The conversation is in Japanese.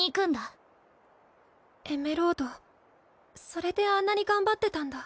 それであんなに頑張ってたんだ。